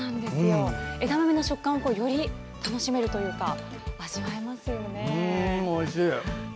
枝豆の食感をより楽しめるというか味わえますよね。